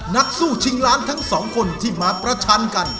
นักสู้ชิงล้านทั้งสองคนที่มาประชันกัน